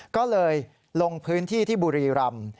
ก็เลยลงพื้นที่ที่บุรีรำ